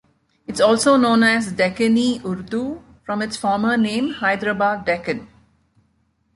It is also known as "Deccani Urdu" from its former name Hyderabad Deccan.